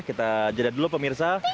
kita jadah dulu pemirsa